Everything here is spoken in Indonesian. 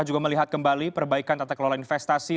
juga melihat kembali perbaikan tata kelola investasi